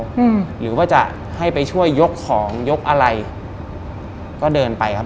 อืมหรือว่าจะให้ไปช่วยยกของยกอะไรก็เดินไปครับ